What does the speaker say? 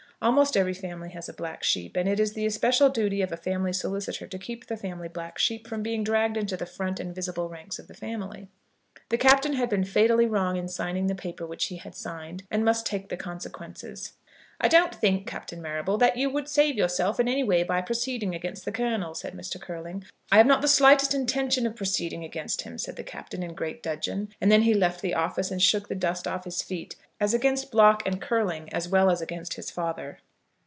Almost every family has a black sheep, and it is the especial duty of a family solicitor to keep the family black sheep from being dragged into the front and visible ranks of the family. The Captain had been fatally wrong in signing the paper which he had signed, and must take the consequences. "I don't think, Captain Marrable, that you would save yourself in any way by proceeding against the Colonel," said Mr. Curling. "I have not the slightest intention of proceeding against him," said the Captain, in great dudgeon, and then he left the office and shook the dust off his feet, as against Block and Curling as well as against his father.